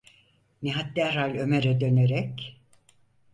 Nihat derhal Ömer’e dönerek: